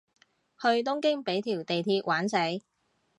去東京畀條地鐵玩死